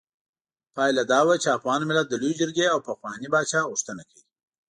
پايله دا وه چې افغان ملت د لویې جرګې او پخواني پاچا غوښتنه کوي.